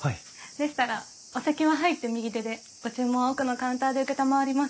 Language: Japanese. でしたらお席は入って右手でご注文は奥のカウンターで承ります。